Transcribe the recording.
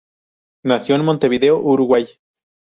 Nació en Montevideo, Uruguay.